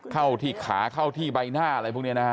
เข้าที่ขาเข้าที่ใบหน้าอะไรพวกนี้นะฮะ